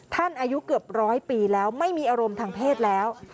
อายุเกือบร้อยปีแล้วไม่มีอารมณ์ทางเพศแล้ว